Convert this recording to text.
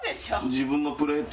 自分のプレート